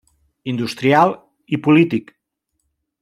Industrial i polític.